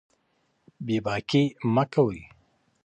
بې باکي مه کوئ.